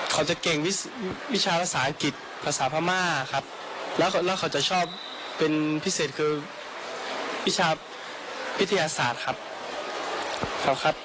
เขาจะเก่งวิชาภาษาอังกฤษภาษาพม่าครับแล้วเขาจะชอบเป็นพิเศษคือวิชาวิทยาศาสตร์ครับ